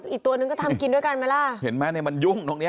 อีกตัวนึงก็ทำกินด้วยกันไหมล่ะเห็นไหมเนี่ยมันยุ่งตรงเนี้ย